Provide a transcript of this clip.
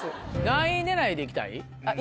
何位狙いでいきたい？